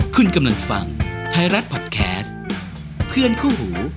คุณกำลังฟังไทยรัฐพอดแคสต์เพื่อนคู่หู